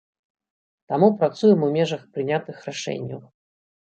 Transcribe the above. Таму працуем у межах прынятых рашэнняў.